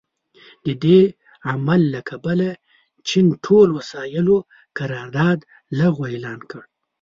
د دې عمل له کبله چین ټول وسايلو قرارداد لغوه اعلان کړ.